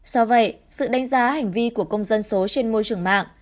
do vậy sự đánh giá hành vi của công dân số trên môi trường mạng